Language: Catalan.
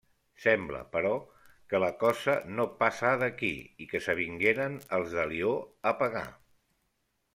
Sembla, però, que la cosa no passà d'aquí i que s'avingueren, els d'Alió, a pagar.